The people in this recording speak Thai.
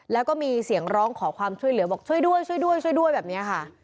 และก็มีเสียงร้องขอความช่วยเหลือบอกช่วยด้วยแบบเนี่ยค่ะ